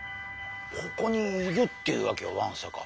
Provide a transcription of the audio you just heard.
ここにいるっていうわけよわんさか。